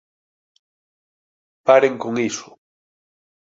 Paren con iso!